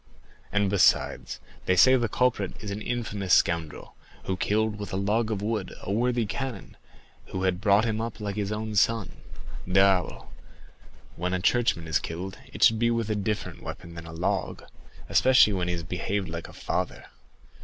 And, besides, they say that the culprit is an infamous scoundrel, who killed with a log of wood a worthy canon who had brought him up like his own son. Diable! when a churchman is killed, it should be with a different weapon than a log, especially when he has behaved like a father.